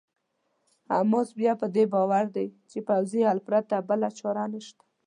حماس بیا په دې باور دی چې پوځي حل پرته بله چاره نشته.